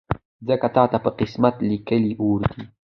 ځکه تاته په قسمت لیکلی اور دی